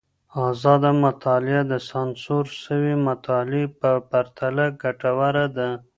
ازاده مطالعه د سانسور سوي مطالعې په پرتله ګټوره ده.